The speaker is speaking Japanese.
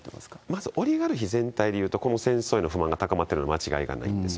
まずオリガルヒ全体でいうと、この戦争への不満が高まってるのは間違いないんです。